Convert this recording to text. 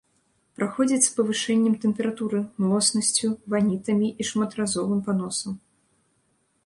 Праходзіць з павышэннем тэмпературы, млоснасцю, ванітамі і шматразовым паносам.